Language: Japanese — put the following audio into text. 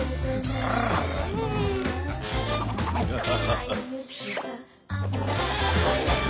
ハハハハ！